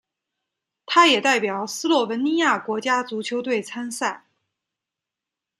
他也代表斯洛文尼亚国家足球队参赛。